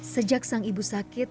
sejak sang ibu sakit